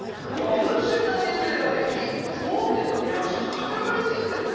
優秀な人材が、大手と役所に固まりすぎていると。